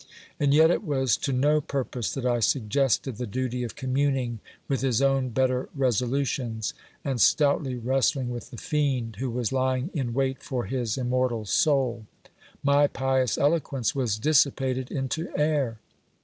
And yet it was to no purpose that I suggested the duty of communing with his own better resolu tions, and stoutly wrestling with the fiend, who was lying in wait for his im mortal soul ; my pious eloquence was dissipated into air.